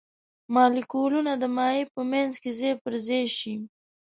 مالیکولونه د مایع په منځ کې ځای پر ځای شي.